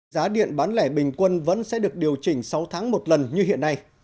giá điện bán lẻ bình quân vẫn sẽ được điều chỉnh sáu tháng một lần như hiện nay